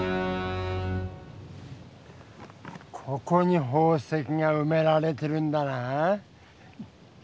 ここに宝石がうめられてるんだな？